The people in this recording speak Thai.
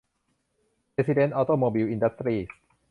เพรสซิเด้นท์ ออโตโมบิล อินดัสทรีส์